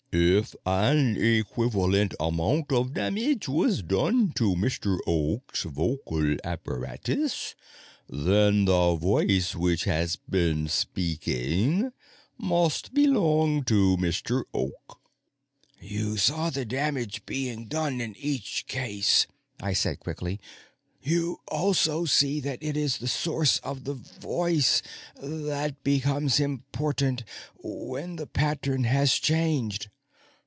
If an equivalent amount of damage was done to Mr. Oak's vocal apparatus, then the voice which has been speaking must belong to Mr. Oak." "You saw the damage being done in each case," I said quickly. "You also see that it is the source of the voice that becomes important when the pattern has changed."